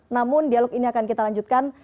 namun dialog ini akan kita lanjutkan